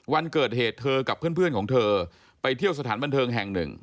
วันเกิดเหตุเธอกับเพื่อนของเธอไปเที่ยวสถานบันเทิงแห่งหนึ่ง